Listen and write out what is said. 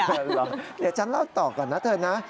เดี๋ยวฉันเล่าต่อก่อนนะเธอนะ